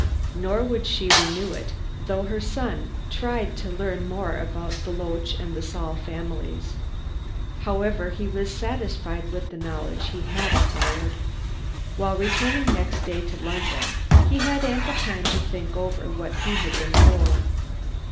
Nor would she renew it, though her son tried to learn more about the Loach and Saul families. However, he was satisfied with the knowledge he had acquired. While returning next day to London, he had ample time to think over what he had been told.